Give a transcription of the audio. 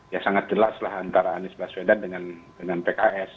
ya sangat jelas lah antara anies baswedan dengan pks